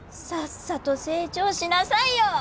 さっさと成長しなさいよ！